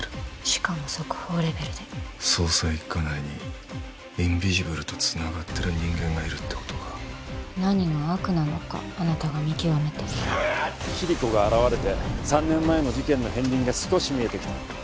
しかも速報レベルで捜査一課内にインビジブルとつながってる人間がいるってことか何が悪なのかあなたが見極めてキリコが現れて３年前の事件の片りんが少し見えてきた